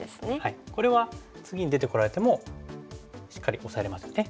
これは次に出てこられてもしっかりオサえれますよね。